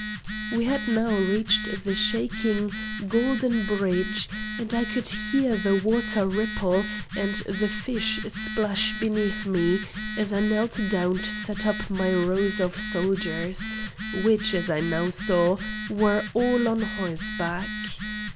We had now reached the shaking, golden bridge, and I could hear the water ripple, and the fish splash beneath me, as I knelt down to set up my rows of soldiers, which, as I now saw, were all on horseback.